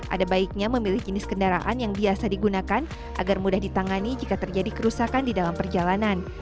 ada baiknya memilih jenis kendaraan yang biasa digunakan agar mudah ditangani jika terjadi kerusakan di dalam perjalanan